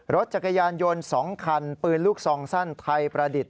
รถจักรยานยนต์๒คันปืนลูกซองสั้นไทยประดิษฐ